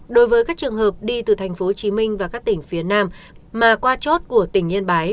đối với các trường hợp đi từ tp hcm và các tỉnh phía nam mà qua chốt của tỉnh yên bái